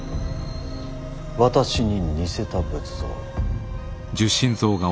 私に似せた仏像を。